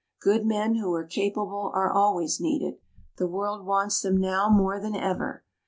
Good men who are capable are always needed. The world wants them now more than ever.